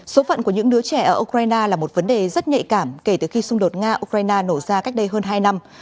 số phận của những đứa trẻ ở ukraine là một vấn đề rất nhạy cảm kể từ khi xung đột nga ukraine nổ ra cách đây hơn hai năm